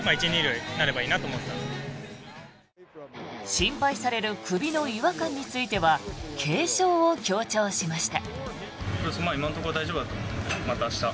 心配される首の違和感については軽症を強調しました。